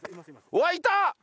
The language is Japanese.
うわっいた！